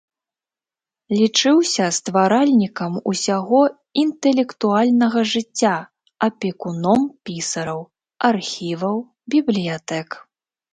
Лічыўся стваральнікам усяго інтэлектуальнага жыцця, апекуном пісараў, архіваў, бібліятэк.